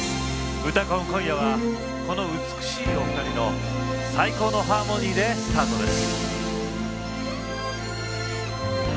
「うたコン」今夜はこの美しいお二人の最高のハーモニーでスタートです。